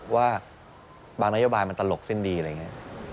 ว่าบางนโยบายมันตลกสิ้นดีอะไรอย่างนี้